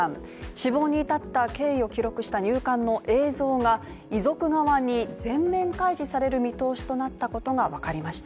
死亡に至った経緯を記録した入管の映像が遺族側に全面開示される見通しとなったことがわかりました。